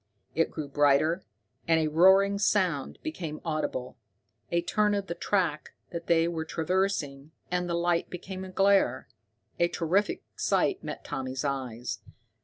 It grew brighter, and a roaring sound became audible. A turn of the track that they were traversing, and the light became a glare. A terrific sight met Tommy's eyes.